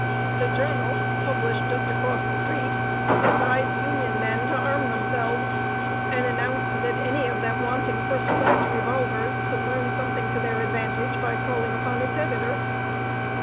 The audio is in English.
The Journal, published just across the street, advised Union men to arm themselves, and announced that any of them wanting first class revolvers could learn something to their advantage by calling upon its editor.